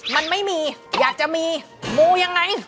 มันไม่มีอยากจะมีมูยังไง